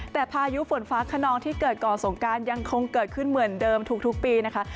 แต่พายุฝนฟ้าขนองที่เกิดก่อนสงการยังคงเกิดขึ้นเหมือนเดิมทุกปีนะคะ